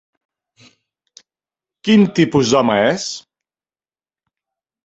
Quin tipus d'home és?